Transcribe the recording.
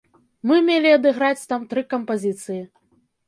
Мы мелі адыграць там тры кампазіцыі.